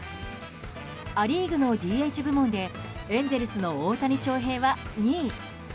ア・リーグのＤＨ部門でエンゼルスの大谷翔平は２位。